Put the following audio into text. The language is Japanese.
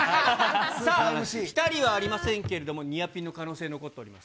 さあ、ピタリはありませんけれども、ニアピンの可能性残っております。